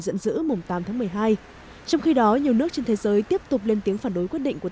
dẫn dữ tám một mươi hai trong khi đó nhiều nước trên thế giới tiếp tục lên tiếng phản đối quyết định của